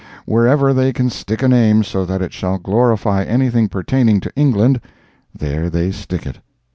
Wherever they can stick a name so that it shall glorify anything pertaining to England, there they stick it.